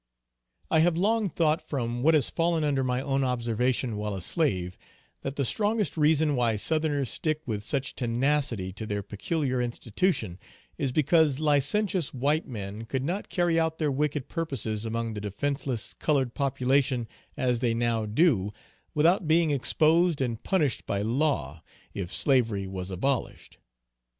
I have long thought from what has fallen under my own observation while a slave, that the strongest reason why southerners stick with such tenacity to their "peculiar institution," is because licentious white men could not carry out their wicked purposes among the defenceless colored population as they now do, without being exposed and punished by law, if slavery was abolished.